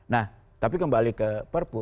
nah tapi kembali ke perpu